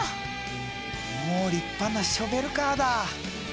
もう立派なショベルカーだ！